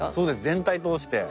全体通して。